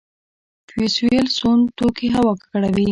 فوسیل سون توکي هوا ککړوي